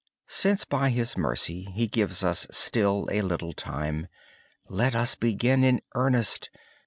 Since, by His mercy, He gives us yet a little time, let us begin in earnest.